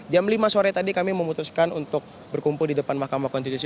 jam lima sore tadi kami memutuskan untuk berkumpul di depan mahkamah konstitusi